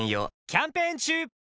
キャンペーン中！